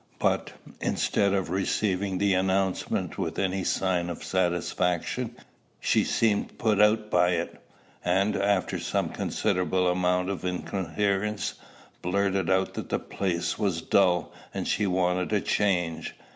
But, instead of receiving the announcement with any sign of satisfaction, she seemed put out by it; and, after some considerable amount of incoherence, blurted out that the place was dull, and she wanted a change.